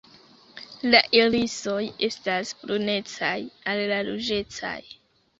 La irisoj estas brunecaj al ruĝecaj.